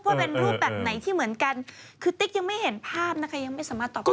ว่าเป็นรูปแบบไหนที่เหมือนกันคือติ๊กยังไม่เห็นภาพนะคะยังไม่สามารถตอบได้